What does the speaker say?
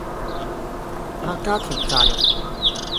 客家甜炸肉